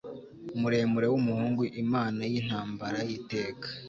muremure wumuhungu imana yintambara yiteka